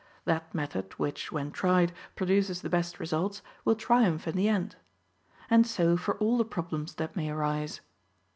That method which, when tried, produces the best results, will triumph in the end. And so for all the problems that may arise.